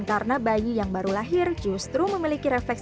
karena bayi yang baru lahir justru memiliki refleks